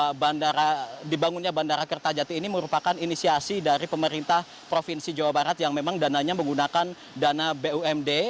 karena dibangunnya bandara kertajati ini merupakan inisiasi dari pemerintah provinsi jawa barat yang memang dananya menggunakan dana bumd